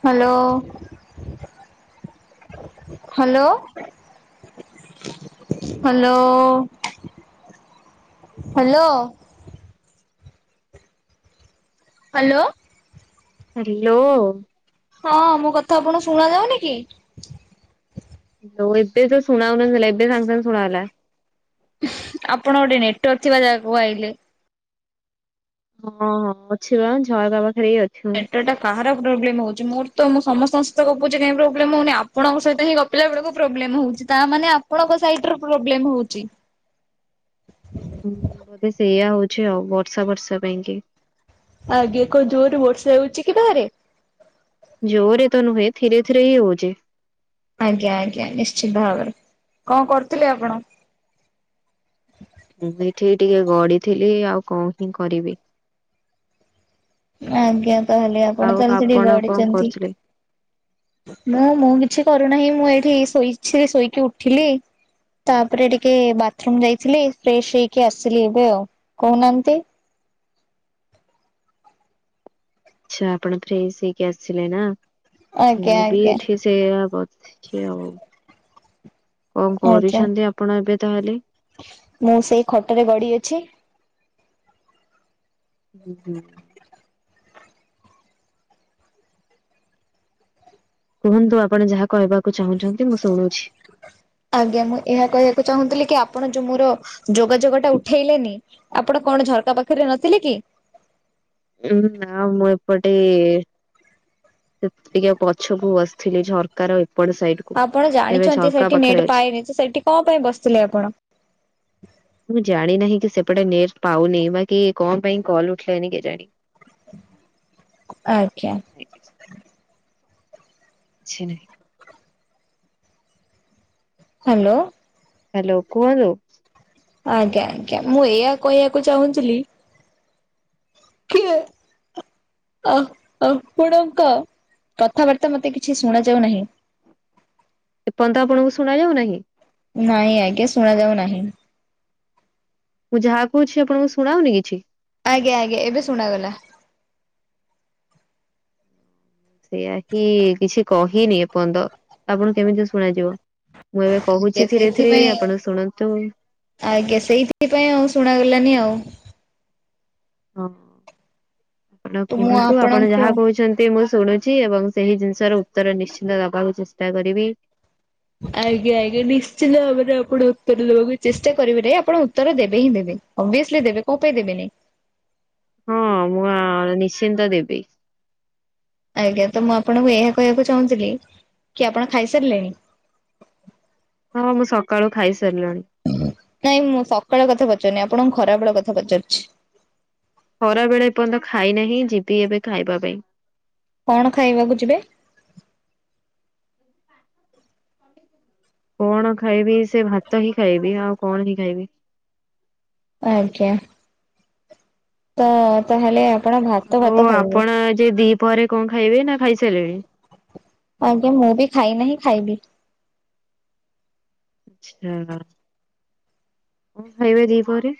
Hello hello. Hello hello. Hello. Hello. ହଁ ମୋ କଥା ଆପଣଙ୍କୁ ଶୁଣା ଯାଉନି କି? ତ ଏବେ ତ ସୁଣା ହୋଉନଥିଲା ଏବେ ସାଂଗେ ସାଂଗେ ଶୁଣାଗଲା। ଆପଣ ଗୋଟେ ନେଟୱାର୍କ ଥିବା ଜାଗାକୁ ଆଇଲେ ହଁ ହଁ ଅଛି ବା ଝରକା ପାଖରେ ଅଛି। ମୁଁ। ଏଇଟା କାହାର ପ୍ରୋବ୍ଲେମ ହୋଉଛି? ମୋର ତ ମୁଁ ସମସ୍ତଙ୍କ ସହିତ ଗପୁଛି କାହିଁ ପ୍ରୋବ୍ଲେମ ହୋଉନି ଆପଣଙ୍କ ସହିତ ହିଁ ଗ ପିଲା ବେଳକୁ ପ୍ରୋବ୍ଲେମ ହଉଛି ତା ମାନେ ଆପଣଙ୍କ ସାଇଡ୍ ରୁ ପ୍ରୋବ୍ଲେମ ହୋଉଛି। ହୁଁ ବୋଧେ ସେଇଆ ହଉଛି ଆଉ ବର୍ଷା ବର୍ଷା ପାଇଁ କି ଆଜ୍ଞା କଣ ଜୋର ରେ ବର୍ଷା ହେଉଛି କି ବାହାରେ? ଜୋର ଏ ତ ନୁହେ ଧୀରେ ଧୀରେ ହି ହୋ। ଆଜ୍ଞା ଆଜ୍ଞା ନିଶ୍ଚିନ୍ତ ଭାବରେ କଣ କରୁଥିଲେ ଆପଣ? ମୁଁ ବି ଏଇଠି ଟିକେ ଗଢଥିଲି ଆଉ କଣ ହିଁ କରିବି? ଆଜ୍ଞା ତାହାଲେ ଆଉ ଆପଣ ତାହେଲେ ସେଠି କଣ ଗଡ଼ିଛନ୍ତି? କରୁଥିଲେ? ମୁଁ ମୁଁ କିଛି କରୁନାହିଁ ମୁଁ ଏଇଠି ଶୋଇଛି ଶୋଇକି ଉଠିଲି ତାପରେ ଟିକେ ବାଥରୁମ ଯାଇଥିଲି ଫ୍ରେଶ ହେଇକି ଆସିଲି ଏବେ ଆଉ। କହୁନାହାନ୍ତି? ଆଛା ଆପଣ ଫ୍ରେସ ହେଇକି ଆସିଲେ ନା ଆଜ୍ଞା ମୁଁ ବି ଆଜ୍ଞା ଏଠି ସେଇଆ ବସିଛି ଆଉ। କଣ ଆଜ୍ଞା କରୁଛନ୍ତି ଆପଣ ଏବେ ତାହେଲେ? ମୁଁ ସେଇ ଖଟରେ ଗଡ଼ିଅଛି। ହୁଁ ହୁଁ। କୁହନ୍ତୁ ଆପଣ ଯାହା କହିବାକୁ ଚାହୁଁଛନ୍ତି ମୁଁ ଶୁଣୁଛି। ଆଜ୍ଞା ମୁଁ ଏହା କହିବାକୁ ଚାହୁଁଥିଲି କି ଆପଣ ଯୋଉ ମୋର ଯୋଗାଯୋଗ ଟା ଉଠେଇଲେନି ଆପଣ କଣ ଝରକା ପାଖରେ ନଥିଲେ କି? ହୁଁ ଆ ମୁଁ ଏପଟେ ସେ ଟିକେ ପଛକୁ ଆସିଥିଲି ଝରକାର ଏପଟ ସେପ ଆପଣ ଜାଣିଛନ୍ତି ସେଠି ନେଟ୍ ପାଏନି, ତ ସେଠି କଣ ପାଇଁ ବସିଥିଲେ ଆପଣ? ମୁଁ ଜାଣିନାହିଁ କି ସେପଟେ ନେଟ୍ ପାଉନି। ବାକି କଣ ପାଇଁ କଲ ଉଠିଲାନି କେଜାଣି। ଆଜ୍ଞା। ଛି ନାହିଁ ହ୍ୟାଲୋ। ହ୍ୟାଲୋ। କୁହନ୍ତୁ? ଆଜ୍ଞା ଆଜ୍ଞା। ମୁଁ ଏଇଆ କହିବାକୁ ଚାହୁଁଥିଲି? କିଏ? ଅ ଆପଣଙ୍କ କଥାବାର୍ତ୍ତା ମତେ କିଛି ସୁଣା ଯାଉନାହିଁ। ଏପଅନ୍ତ ଆପଣଙ୍କୁ ଶୁଣା ଯାଉ ନାହିଁ? ନାଇଁ ଆଜ୍ଞା ସୁଣା‌ଯାଉ ନାହିଁ। ମୁଁ ଯାହା କହୁଛି ଆପଣଙ୍କୁ ଶୁଣାହଉନି କିଛି? ଆଜ୍ଞା ଆଜ୍ଞା ଏବେ ଶୁଣାଗଲା। ସେଇୟା ହିଁ କିଛି କହିନି ଏପନ୍ତ ଆପଣ କେମିତି ଶୁଣାଯିବ? ମୁଁ ଏବେ ଆଜ୍ଞା କହୁଛି ଧୀରେ ଧୀରେ ସେଇଥିପାଇଁ ରେ ଆଉ ଆପଣ ଶୁଣନ୍ତୁ। ଆଜ୍ଞା ସେଇଥିପାଇଁ ଆଉ ଶୁଣାଗଲାନି ଆଉ। ହଁ ଆପଣ ତ ମୁଁ କୁହନ୍ତୁ ଆପଣ ଆପଣଙ୍କୁ ଯାହା କହୁଛ ତି ମୁଁ ଶୁଣୁଛି ଏବଂ ସେହି ଜିନିଷର ଉତ୍ତର ନିଶ୍ଚିନ୍ତ ଦବାକୁ ଚେଷ୍ଟା କରିବି। ଆଜ୍ଞା ଆଜ୍ଞା ନିଶ୍ଚିତ ଭାବରେ ଆପଣ ଉତ୍ତର ଦେବାକୁ ଚେଷ୍ଟା କରିବେନି ଆପଣ ଉତ୍ତର ଦେବେ ହିଁ ଦେବେ। ଅଭିଅସଲି ଦେବେ କଣ ପାଇଁ ଦେବେନି? ହଁ ମୁଁ ଆ ନିଶ୍ଚିନ୍ତ ଦେବି। ଆଜ୍ଞା ତ ମୁଁ ଆପଣଙ୍କୁ ଏହା କହିବାକୁ ଚାହୁଁଥିଲି କି ଆପଣ ଖାଇସାରିଲେଣି? ହଁ ମୁଁ ସକାଳୁ ଖାଇସାରିଲିଣି। ନାଇଁ ମୁଁ ସକାଳ କଥା ପଚାରୁନି। ଆପଣଙ୍କୁ ଖରା ବେଳ କଥା ପଚାରୁଛି। ଖରା ବେଳେ ଏ ପର୍ଯ୍ୟନ୍ତ ଖାଇ ନାହିଁ ଯିବି ଏବେ ଖାଇବା ପାଇଁ। କଣ ଖାଇବାକୁ ଯିବେ? କଣ ଖାଇବି ସେ ଭାତ ହିଁ ଖାଇବି ଆଉ କଣ ହିଁ ଖାଇବି? ଆଜ୍ଞା। ତ ତାହେଲେ ଆପଣ ଭାତ ଭାତ ଆଉ ଖାଇବେ। ଆପଣ ଆଜି ଦିପହରେ କଣ ଖାଇବେ ନା ଖାଇସାରିଲେଣି? ଆଜ୍ଞା ମୁଁ ବି ଖାଇ ନାହିଁ ଖାଇବି। ଆଚ୍ଛା କଣ ଖାଇବେ ଦିପହରେ?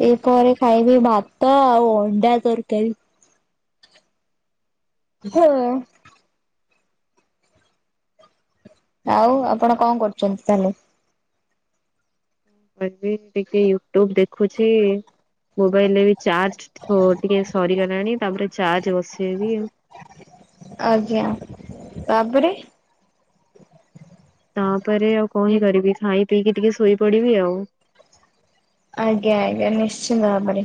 ଦିପହରେ ଖାଇବି ଭାତ ଆଉ ଅଣ୍ଡା ତରକାରୀ। ହଁ। ଆଉ ଆପଣ କଣ କରୁଛନ୍ତି ତାହେଲେ? ମୁଁ ଏଇଠି ଟିକେ ୟୁଟ୍ୟୁବ ଦେଖୁଛି ମୋବାଇଲ ଚାର୍ଜ ପ ଟିକେ ସରିଗଲାଣି ତାପରେ ଚାର୍ଜ ବସେଇବି ଆଉ। ଆଜ୍ଞା। ତାପରେ। ତାପରେ ଆଉ କଣ ହିଁ କରିବି ଖାଇ ପିଇକି ଟିକେ ଶୋଇପଡିବି ଆଉ। ଆଜ୍ଞା ଆଜ୍ଞା ନିଶ୍ଚିନ୍ତ ଭାବରେ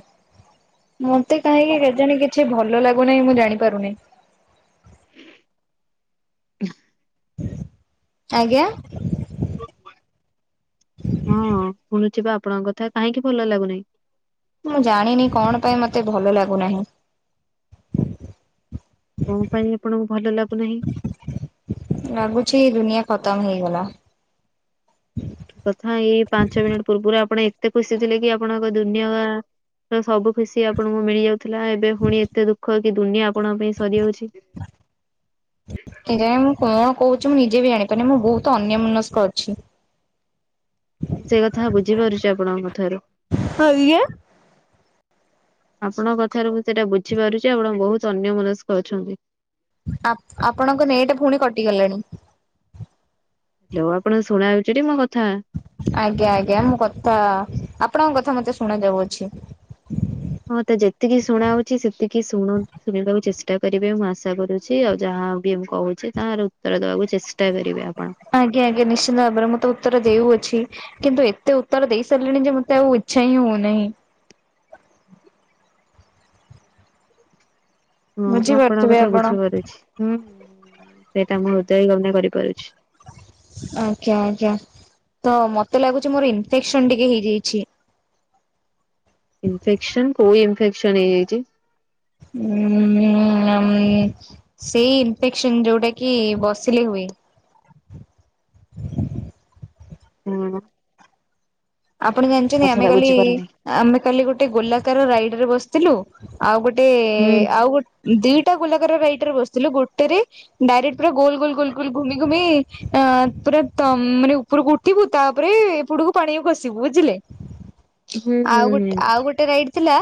ମତେ କାହିଁକି କେଜାଣି କିଛି ଭଲ ଲା ପୁଣି ମୁଁ ଜାଣିପାରୁନି। [inaudible] ହ ଆଜ୍ଞା। [inaudible] ହଁ ଶୁଣୁଛି ପା ଆପଣଙ୍କ କଥା କାହିଁକି ଭଲ ଲାଗୁନାଇ? ମୁଁ ଜାଣିନି କଣ ପାଇଁ ମତେ ଭଲ ଲାଗୁନାହିଁ। କଣ ପାଇଁ ଆପଣଙ୍କୁ ଭଲ ଲାଗୁନାହି? ଲାଗୁଛି ଦୁନିଆ ଖତମ ହେଇଗଲା। କି କଥା ଏଇ ପାଞ୍ଚ ମିନିଟ୍ ପୂର୍ବରୁ ଆପଣ ଏତେ ଖୁସି ଥିଲେ କି ଆପଣଙ୍କ ଦୁନିଆ ବା ତ ସବୁ ଖୁସି ଆପଣଙ୍କୁ ମିଳି ଯାଉଥିଲା ଏବେ ପୁଣି ଏତେ ଦୁଖ କି ଦୁନିଆ ଆପଣଙ୍କ ପାଇଁ ସରିଯାଉଛି। କେଜାଣି ମୁଁ କଣ କହୁଛି ମୁଁ ନିଜେ ବି ଜାଣିପାରୁିନି ମୁଁ ବହୁତ ଅନ୍ୟ ମନସ୍କ ଅଛି। ମୁଁ ସେ କଥା ବୁଝିପାରୁଛି ଆପଣଙ୍କ କଥା ରୁ। ଆଜ୍ଞା। ଆପଣଙ୍କ କଥାରୁ ମୁଁ ସେଇଟା ବୁଝିପାରୁଛି ଆପଣ ବହୁତ ଅନ୍ୟ ମନସ୍କ ଅଛନ୍ତି। ଆ-ଆପଣଙ୍କ ନେଟେ ପୁଣି କଟିଗଲାଣି। ହାଲୋ ଆପଣଙ୍କୁ ଶୁଣା ଯାଉଚି ଟି ମୋ କଥା? ଆଜ୍ଞା ଆଜ୍ଞା ମୁଁ କଥା ଆପଣଙ୍କ କଥା ମତେ ଶୁଣାଯାଉଅଛି। ହଁ ତ ଯେତିକି ଶୁଣା ହଉଛି ସେତିକି ଶୁଣ ଶୁଣିବାକୁ ଚେଷ୍ଟା କରିବେ ମୁଁ ଆଶା କରୁ ଛି ଆଉ ଯାହା ବି ମୁଁ କହୁଛି ତାହାର ଉତ୍ତର ଦବାକୁ ଚେଷ୍ଟା କରିବେ ଆପଣ। ଆଜ୍ଞା ଆଜ୍ଞା ନିଶ୍ଚିନ୍ତ ଭାବରେ ମୁଁ ତ ଉତ୍ତର ଦେଉଅଛି। କିନ୍ତୁ ଏତେ ଉତ୍ତର ଦେଇ ସାରିଲିଣି ଯେ, ମତେ ଆଉ ଇଚ୍ଛା ହିଁ ହଉନାହିଁ। ହୁଁ ମୁଁ ଆପଣଙ୍କ ବୁଝିପାରୁଥିବେ କଥା ଆପଣ ବୁଝିପାରୁଛି ହୁଁ ସେଇଟା ମୁଁ ହୃଦୟ ଗମ୍ୟ କରିପାରୁଛି। ଆଜ୍ଞା, ଆଜ୍ଞା, ତ ମତେ ଲାଗୁଚି ମୋର ଇନଫେକ୍ସନ ଟିକେ ହେଇଯାଇଛି। ଇନଫେକ୍ସନ, କୋଉ ଇନଫେକ୍ସନ ହେଇଯାଇଛି? ଉଁ ଆମ୍ ସେଇ ଇନଫେକ୍ସନ ଯୋଉଟା କି ବସିଲେ ହୁଏ। ହୁଁ। ଆପଣ ଜାଣିଛନ୍ତି, ଆମେ କଥାଟା କାଲି ବୁଝିପାରୁନି। ‌। ଆମେ କାଲି ଗୋଟେ ଗୋଲାକାର ରାଇଡ ରେ ବସିଥିଲୁ। ଆଉ ଗୋଟେ, ହୁଁ ଆଉ ଗୋ ଦିଟା ଗୋଲାକାର ରାଇଡରେ ବସିଥିଲୁ ଗୋଟେରେ। ଡାଇରେକ୍ଟ ପୁରା ଗୋଲ ଗୋଲ ଗୋଲ ଗୋଲ ଘୁମି ଘୁମି, ଆଁ ପୁରା ତମ ମୋନେ ଉପ ଉପରକୁ ଉଠିବୁ, ତାପରେ ଏପଟକୁ ପାଣିକୁ ଖସିବୁ ବୁଝିଲେ। ହୁଁ ହୁଁ ଆଉ ଗୋଟେ, ହୁଁ ଆଉ ଗୋଟେ ରାଇଡ ଥିଲା।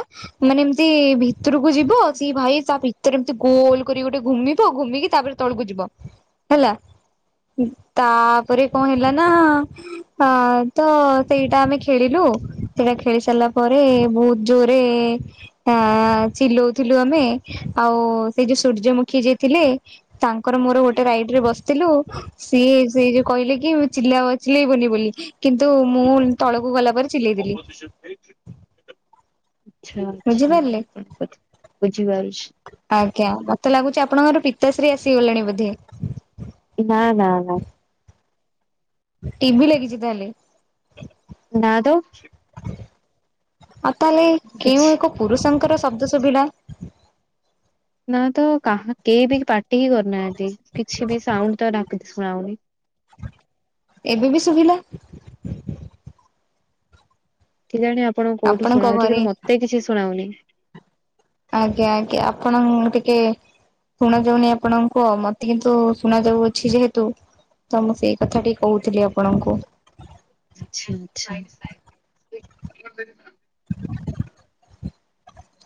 ମାନେ ଏମିତି ଭିତରକୁ ଯିବ। ସେ ଭାଇ ତା ଭିତରେ ଏମତି ଗୋଲ କରିକି ଗୋଟେ ଘୁମିବ। ଘୁମିକି ତାପରେ। ତଳକୁ ଯିବ ହେଲା। ତାପରେ କଁ ହେଲା ନା, ଆଁ ତ‌ ସେଇଟା ଆମେ ଖେଳିଲୁ ସେଇଟା ଖେଳି ସାରିଲା ପରେ ବହୁତ ଜୋରେ। ତା ଚିଲଉ ଥିଲୁ ଆମେ ଆଉ ସେଇ ଯୋଉ ସୂର୍ଯ୍ୟମୁଖୀ ଯିଏ‌ ଥିଲେ। ତାଙ୍କର ମୋର ଗୋଟେ ରାଇଡ ରେ ବସ ଥିଲୁ ସିଏ ସେ ଯୋଉ କହିଲେ କି ଚଲାବ ଚିଲେଇବନି ବୋଲି କିନ୍ତୁ। ମୁଁ ତଳକୁ ଗଲା ପରେ ଚିଲେଇ ଦେଲି। ଆଛା ଆଛା ମୁଁ ଆପଣଙ୍କ କଥା ବୁଝିପାରୁଛି। ଆଜ୍ଞା ମତେ ଲାଗୁଛି ଆପଣଙ୍କର ପିତାଶ୍ରୀ ଆସିଗଲେଣି ବୋଧେ। ନା ନା ନା। ଟିଭି ଲାଗିଛି ତାହେଲେ। ନା ତ। ଆଉ ତାହେଲେ କେଉଁ କିଛି ଏକ ପୁରୁଷଙ୍କର ଶବ୍ଦ ଶୁଭିଲା। ନା ତ କାହା କେହି ବି ପାଟି ହି କରିନାହାନ୍ତି କିଛି ବି ସାଉଣ୍ଡ ତ ନା କିଛି ଶୁଣାଯାଉନି। ଏବେ ବି ଶୁଭିଲା। କିଜାଣି ଆପଣଙ୍କୁ କୋଉଠୁ ଆପଣଙ୍କ ଶୁଣାଉଚି ଘରେ କିନ୍ତୁ ମତେ କିଛି ଶୁଣାଉନି। ଆଜ୍ଞା ଆଜ୍ଞା ଆପଣଙ୍କ ଟିକେ। ଶୁଣା ଯାଉନି ଆପଣଙ୍କୁ ମତେ କିନ୍ତୁ ଶୁଣା ଯାଉଅଛି ଯେହେତୁ। ତ ମୁଁ ସେଇ କଥା ଟି କହୁଥିଲି ଆପଣଙ୍କୁ। ଆଚ୍ଛା ଆଚ୍ଛା।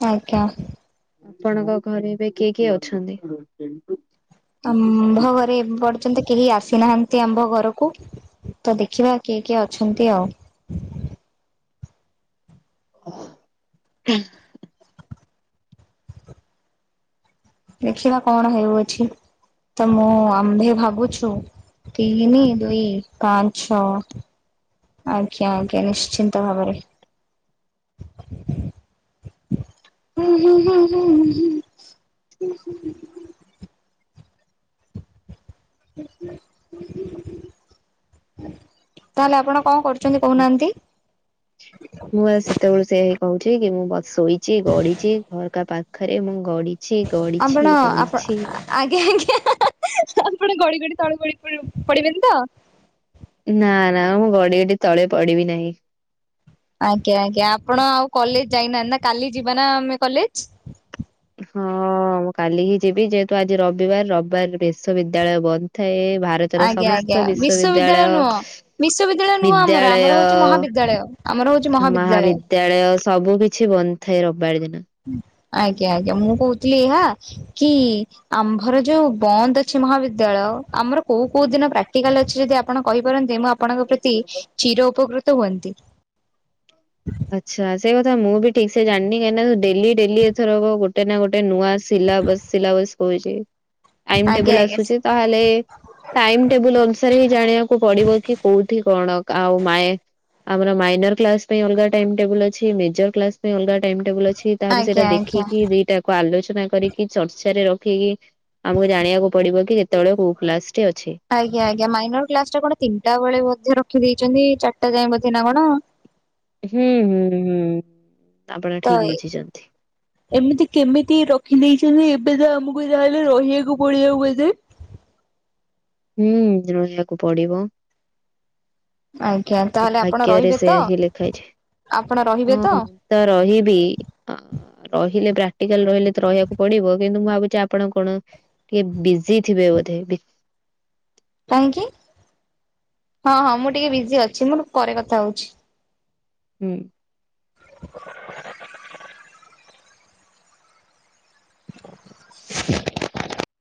ଆଜ୍ଞା। ଆପଣଙ୍କ ଘରେ ଏବେ କିଏ କିଏ ଅଛନ୍ତି ‌। ଆମ୍ଭ ଘରେ ବର ଯ୍ୟନ୍ତ କେହି ଆସିନାହାନ୍ତି ଆମ୍ଭ ଘରକୁ ତ ଦେଖିବା କିଏ କିଏ ଅଛନ୍ତି ଆଉ। ଓ ଦେଖିବା କଣ ହେଉଅଛି ତ ମୁଁ ଆମ୍ଭେ ଭାବୁଛୁ। ତିନି ଦୁଇ ପାଞ୍ଚ ଛ‌। ଆଜ୍ଞା ଆଜ୍ଞା ନିଶ୍ଚିନ୍ତ ଭାବରେ। ହୁଁ ହୁଁ ହୁଁ ହୁଁ। ତାହେଲେ ଆପଣ କଣ କରୁଛନ୍ତି କହୁ ନାହାନ୍ତି। ହ ମୁଁ ବା ସେତେବେଳୁ ସେୟା ହିଁ କହୁଛି କି ମୁଁ ବ ଶୋଇଛି ଗଡିଛି ଝରକା ପାଖରେ ମୁଁ ଗଡି ଛି ଆପଣ ଗଡିଛି ଆପଣ ଗଢିଛି। ଆଜ୍ଞା ଆଜ୍ଞା ଆପଣ ଗଡି ଗଡି ତଳେ ପଡିବେ ପଡିବେନିତ। ନା ନା ମୁଁ ଗଡି ଗଡି ତଳେ ପଡିବି ନାହିଁ। ଆଜ୍ଞା ଆଜ୍ଞା ଆପଣ ଆଉ କଲେଜ ଯାଇନାହାନ୍ତି ନା କାଲି ଯିବା ନା ଆମେ କଲେଜ। ହଁ ମୁଁ କାଲି ହିଁ ଯିବି ଯେହେତୁ ଆଜି ରବିବାର ରବିବାର ବିଶ୍ବିଦ୍ୟାଳୟ ବନ୍ଦ ଥାଏ ଭାରତ। ଆଜ୍ଞା ଆଜ୍ଞା ବିଶ୍ୱବିଦ୍ୟାଳୟ ନୁହଁ ବିଶ୍ୱବିଦ୍ୟାଳୟ ନୁହଁ ଆମର ବିଦ୍ୟାଳୟ ଆମର ହଉଛି ମହାବିଦ୍ୟାଳୟ ଆମର ହଉଛି ମହାବିଦ୍ୟାଳୟ ଵିଦ୍ୟାଳୟ ସବୁ କିଛି ବନ୍ଦ ଥାଏ ରବିବାର ଦିନ ଆଜ୍ଞା ଆଜ୍ଞା ମୁଁ କହୁଥିଲି ଏହା କି ଆମ୍ଭର ଯୋଉ ବନ୍ଦ ଅଛି ମହାବିଦ୍ୟାଳୟ ଆମର କୋଉ କୋଉ ଦିନ ପ୍ରାକ୍ଟିକାଲ ଅଛି ଯଦି ଆପଣ କହିପାରନ୍ତେ ମୁଁ ଆପଣଙ୍କ ପ୍ରତି ଚିରଉପକୃତ ହୁଅନ୍ତି ଆଚ୍ଛା ସେ କଥା ମୁଁ ବି ଠିକ୍ ସେ ଜାଣିନି କାଁକିନା ଡେଲି ଡେଲି ଏଥରକ ଗୋଟେ ନା ଗୋଟେ ନୂଆ ସିଲାବସ୍ ସିଲାବସ୍ କହୁଛି ଟାଇମ୍ ଆଜ୍ଞା ଟେବଲ୍ ଆଜ୍ଞା ଆସୁଛି ତାହେଲେ ଟାଇମ ଟେବୁଲ ଅନୁସାରେ ହିଁ ଜାଣିବାକୁ ପଡିବ କି କୋଉଠି କଣ ଆଉ ମେଁ ଆମର ମାଇନର କ୍ଲାସ ପାଇଁ ଅଲଗା ଟାଇମ୍ ଟେବୁଲ୍ ଅଛି ମେଜର କ୍ଲାସ ପାଇଁ ଅଲଗା ଟାଇମ୍ ଟେବୁଲ୍ ଅଛି ତାହେଲେ ଆଜ୍ଞା ସେଇଟା ଆଜ୍ଞା ଦେଖିକି ଦିଟା ଆଲୋଚନା କରିକି ଚର୍ଚ୍ଚାରେ ରଖିକି ଆମକୁ ଜାଣିବାକୁ ପଡିବ କି ଯେତେବେଳେ କୋଉ କ୍ଲାସ ଟି ଅଛି ଆଜ୍ଞା ଆଜ୍ଞା ମାଇନର କ୍ଲାସ ଟା କଣ ତିନିଟା ବେଳେ ବୋଧେ ରଖି ଦେଇଛନ୍ତି ଚାରିଟା ଯାଏ ବୋଧେ ନା କଣ? ହୁଁ ହୁଁ ହୁଁ ଆପଣ ତ ଠିକ୍ ଏ ବୁଝିଛନ୍ତି। ଏମିତି କେମିତି ରଖିଦେଇଛନ୍ତି ଏବେ ତ ଆମକୁ ଯାହାହେଲେ ରହିବାକୁ ପଡ଼ିବ ବୋଧେ ହୁଁ ରହିବାକୁ ପଡିବ ଆଜ୍ଞା। ତାହେଲେ ଆପଣ ଭାଗ୍ୟରେ ରହିବେ ତ ସେୟା ହିଁ ଲେଖାହୋଇଛି ଆପଣ ରହିବେ ତ ହଁ ମୁଁ ତ ରହିବି ରହିଲେ ପ୍ରାକ୍ଟିକାଲ ରହିଲେ ତ ରହିବାକୁ ପଡିବ କିନ୍ତୁ ମୁଁ ଭାବୁଛି ଆପଣ କଣ? ଇଏ ବିଜି ଥିବେ ବୋଧେ କାହିଁକି ହଁ ହଁ ମୁଁ ଟିକେ ବିଜି ଅଛି ମୁଁ ପରେ କଥା ହଉଛି ହୁଁ। [inaudible] [inaudible]